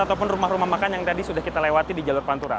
ataupun rumah rumah makan yang tadi sudah kita lewati di jalur pantura